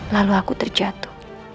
lalu aku terjatuh